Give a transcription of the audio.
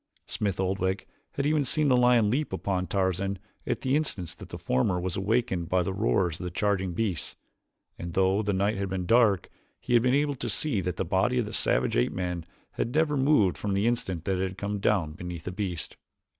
Smith Oldwick had even seen the lion leap upon Tarzan at the instant that the former was awakened by the roars of the charging beasts, and though the night had been dark, he had been able to see that the body of the savage ape man had never moved from the instant that it had come down beneath the beast.